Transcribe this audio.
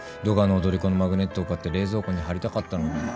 ドガの踊り子のマグネットを買って冷蔵庫に張りたかったのに。